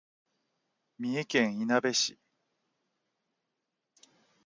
三重県いなべ市